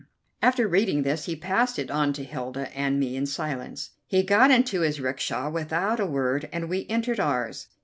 After reading this he passed it on to Hilda and me in silence. He got into his 'rickshaw without a word, and we entered ours.